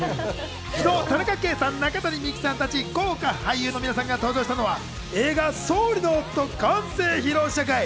昨日、田中圭さん、中谷美紀さんたち豪華俳優の皆さんが登場したのは映画『総理の夫』完成披露試写会。